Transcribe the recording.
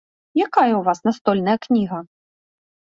Якая ў вас настольная кніга?